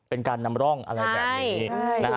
เป็นการนำร่องอะไรแบบนี้นะฮะ